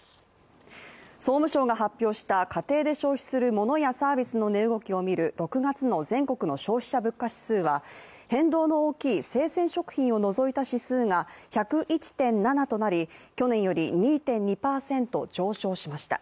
総務省が発表した家庭で消費するモノやサービスの値動きを見る６月の全国の消費者物価指数は、変動の大きい生鮮食品を除いた指数が１０１．７となり、去年より２．２％上昇しました。